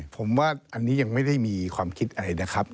ผมว่าอันนี้ยังไม่ได้มีความคิดอะไรนะครับ